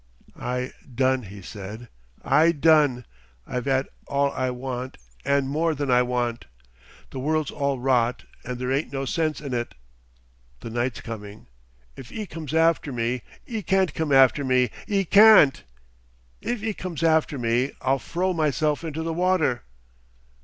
"I done," he said, "I done. I've 'ad all I want, and more than I want. The world's all rot, and there ain't no sense in it. The night's coming.... If 'E comes after me 'E can't come after me 'E can't!... "If 'E comes after me, I'll fro' myself into the water."...